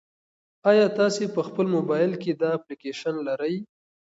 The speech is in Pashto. ایا تاسي په خپل موبایل کې دا اپلیکیشن لرئ؟